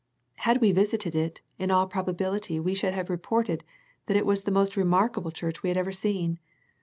Had we visited it, in all probability we should have reported that it was the most remarkable church we had ever seen.